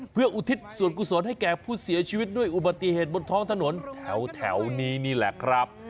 เพื่ออุทิศส่วนกุศลให้แก่ผู้เสียชีวิตด้วยอุบัติเหตุบนท้องถนนแถวนี้นี่แหละครับ